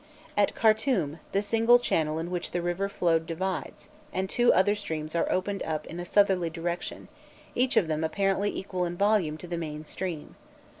At Khartum, the single channel in which the river flowed divides; and two other streams are opened up in a southerly direction, each of them apparently equal in volume to the main stream.